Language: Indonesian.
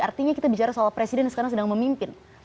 artinya kita bicara soal presiden yang sekarang sedang memimpin